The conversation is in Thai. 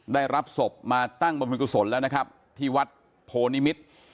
ได้รับศพมาตั้งบรรพิกุศลแล้วนะครับที่วัดโพนิมิตร